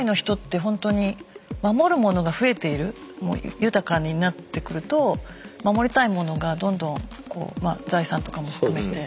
豊かになってくると守りたいものがどんどん財産とかも含めて。